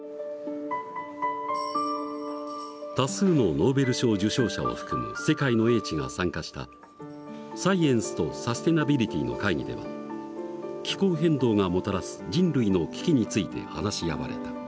多数のノーベル賞受賞者を含む世界の英知が参加したサイエンスとサステナビリティの会議では気候変動がもたらす人類の危機について話し合われた。